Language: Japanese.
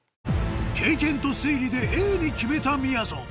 経験と推理でＡに決めたみやぞん